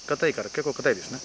結構かたいですね。